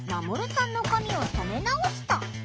さんの髪を染め直した。